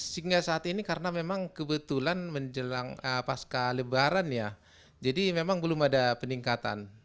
sehingga saat ini karena memang kebetulan menjelang pasca lebaran ya jadi memang belum ada peningkatan